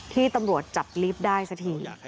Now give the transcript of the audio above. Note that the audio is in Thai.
ที่ตำรวจจับลิฟต์ได้สักที